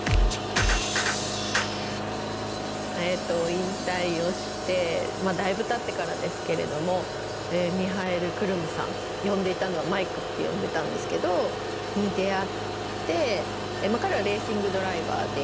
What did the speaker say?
引退をしてまあだいぶたってからですけれどもミハエル・クルムさん呼んでいたのはマイクって呼んでたんですけど。に出会って彼はレーシングドライバーで。